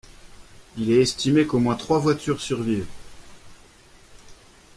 Il est estimé qu'au moins trois voitures survivent.